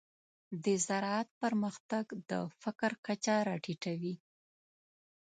د زراعت پرمختګ د فقر کچه راټیټوي.